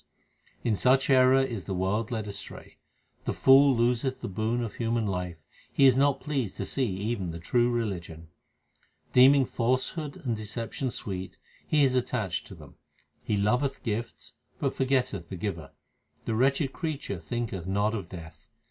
364 THE SIKH RELIGION In such error is the world led astray The fool loseth the boon of human life ; He is not pleased even to see the true religion. Deeming falsehood and deception sweet he is attached to them. He loveth gifts but forgetteth the Giver. The wretched creature thinketh not of death.